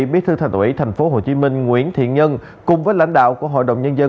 bí thư thành ủy tp hcm nguyễn thiện nhân cùng với lãnh đạo của hội đồng nhân dân